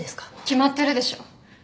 決まってるでしょ。